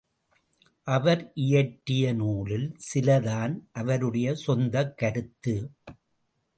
அவர் இயற்றிய நூலில் சிலதான் அவருடைய சொந்தக் கருத்து.